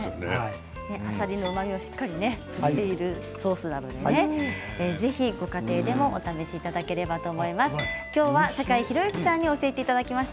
あさりのうまみが出ているソースなのでご家庭でもお試しいただければと思います。